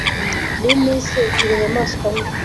Riniers ebyiri inyamanswa mbi